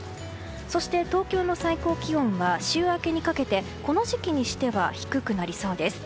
そして、東京の最高気温は週明けにかけてこの時期にしては低くなりそうです。